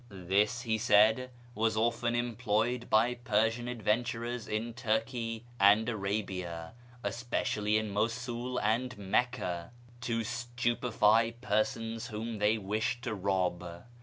This, he said, was often employed by Persian adventurers in Turkey and .Vrabia (especially at Mosul and Mecca) to stupefy persons whom they wished to rob.